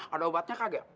ada obatnya kaget